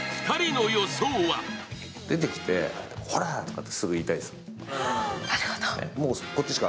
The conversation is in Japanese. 出てきて、ほらーとかってすぐ言いたいでしょ。